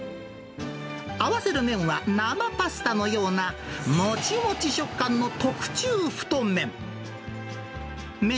合わせる麺は生パスタのような、もちもち食感の特注太麺。